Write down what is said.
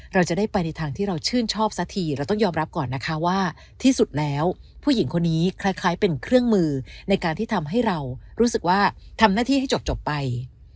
เราจะได้ไปในทางที่เราชื่นชอบสักทีเราต้องยอมรับก่อนนะคะว่าที่สุดแล้วผู้หญิงคนนี้คล้ายเป็นเครื่องมือในการที่ทำให้เรารู้สึกว่าทำหน้าที่ให้จบไป